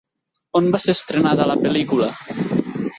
On va ser estrenada la pel·lícula?